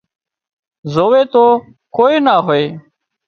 زووي تو ڪوئي نا هوئي